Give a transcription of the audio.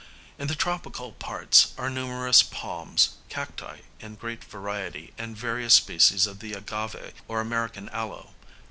In the tropical parts are numerous palms, cacti in great variety, and various species of the agave or American aloe.